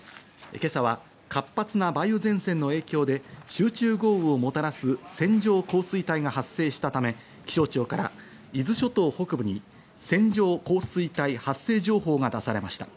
今朝は活発な梅雨前線の影響で集中豪雨をもたらす線状降水帯が発生したため、気象庁から伊豆諸島北部に線状降水帯発生情報が出されました。